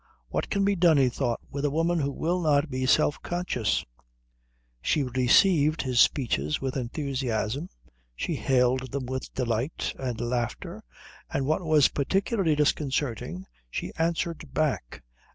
What can be done, he thought, with a woman who will not be self conscious? She received his speeches with enthusiasm, she hailed them with delight and laughter, and, what was particularly disconcerting, she answered back.